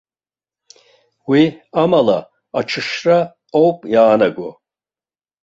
Уи амала аҽшьра ауп иаанаго!